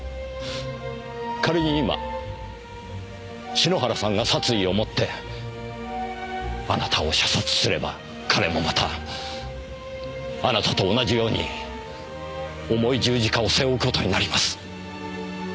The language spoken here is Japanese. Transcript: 仮に今篠原さんが殺意を持ってあなたを射殺すれば彼もまたあなたと同じように重い十字架を背負う事になります。